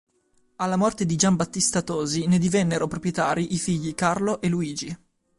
Alla morte di Gian Battista Tosi ne divennero proprietari i figli, Carlo e Luigi.